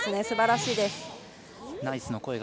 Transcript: すばらしいです。